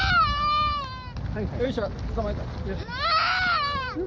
よいしょ、捕まえた。